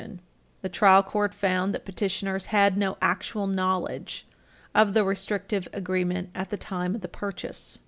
[Footnote 1] The trial court found that petitioners had no actual knowledge of the restrictive agreement at the time of the purchase.